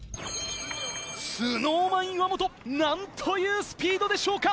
ＳｎｏｗＭａｎ・岩本何というスピードでしょうか！